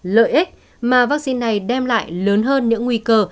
lợi ích mà vaccine này đem lại lớn hơn những nguy cơ